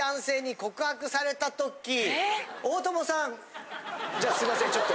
大友さんじゃあすいませんちょっと。